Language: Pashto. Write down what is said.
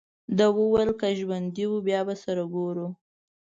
ده وویل: که ژوندي وو، بیا به سره ګورو.